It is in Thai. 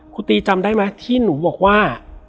ตีจำได้ไหมที่หนูบอกว่า